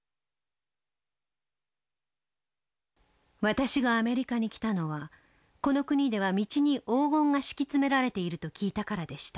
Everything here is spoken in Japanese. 「私がアメリカに来たのはこの国では道に黄金が敷き詰められていると聞いたからでした。